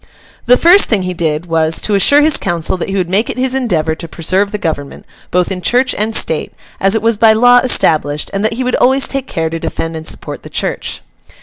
The first thing he did, was, to assure his council that he would make it his endeavour to preserve the Government, both in Church and State, as it was by law established; and that he would always take care to defend and support the Church.